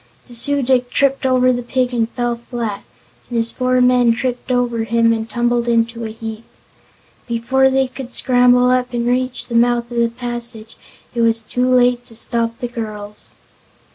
The Su dic tripped over the pig and fell flat, and his four men tripped over him and tumbled in a heap. Before they could scramble up and reach the mouth of the passage it was too late to stop the two girls.